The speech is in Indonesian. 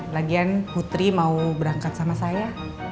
lagian putri mau berangkat sama saya